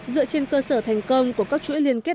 dựa trên cơ sở thành công của các chuỗi liên kết